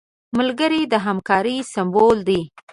ملګری د همکارۍ سمبول دی